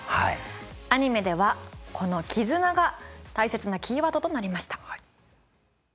アニメではこのキズナが大切なキーワードとなりました。